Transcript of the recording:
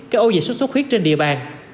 các ô dịch sốt sốt huyết trên địa bàn